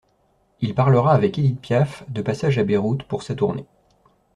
Il parlera avec Édith Piaf de passage à Beyrouth pour sa tournée.